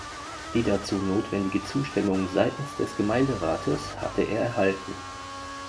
Die dazu notwendige Zustimmung seitens des Gemeinderates hatte er erhalten.